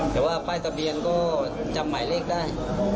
แต่ว่าป้ายทะเบียนก็จำหมายเลขได้